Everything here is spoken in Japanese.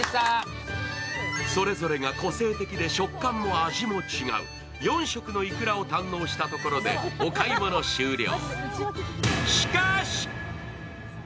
それぞれが個性的で食感も味も違う４色のいくらを堪能したところでお買い物終了。